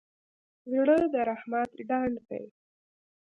زړه د رحمت ډنډ دی.